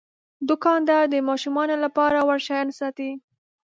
دوکاندار د ماشومانو لپاره وړ شیان ساتي.